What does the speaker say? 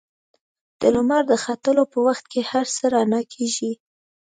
د لمر د ختلو په وخت کې هر څه رڼا کېږي.